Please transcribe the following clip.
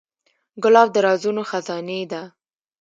ګلاب د رازونو خزانې ده.